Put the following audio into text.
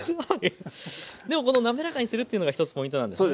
でもこの滑らかにするというのが１つポイントなんですね。